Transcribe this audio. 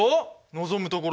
望むところだ。